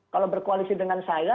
kalau berkoalisi dengan saya